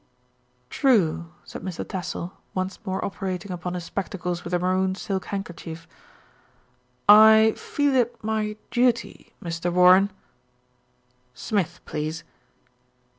"True," said Mr. Tassell, once more operating upon his spectacles with the maroon silk handkerchief. "I feel it my duty, Mr. Warren " "Smith, please."